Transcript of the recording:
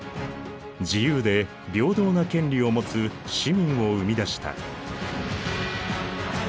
自由で平等な権利を持つ市民を生み出した。